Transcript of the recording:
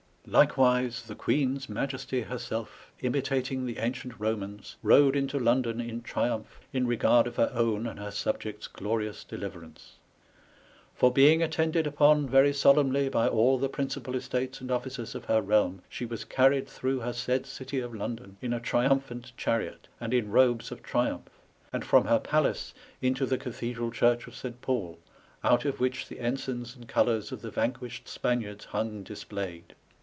'' Like wise the Queenes Maiesty herself, imitating the ancient Bomans, rode into London in triumph, in regard of her own and her subjects glorious deliverance. For being attended upon very solemnly by all the principal estates and officers of her Bealme, she was carried thorow her said Gitie of London in a triumphant chariot, and in robes of triumph, and from her Palace into the Gathe drall Ghurch of Saint Paul, out of which the ensigns and colours of the vanquished Spaniards hung dis played.